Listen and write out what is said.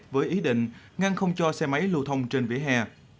với ý định ngăn không cho xe máy lưu thông trên vỉa hè